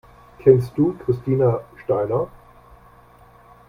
Kennst du Christina Steiner?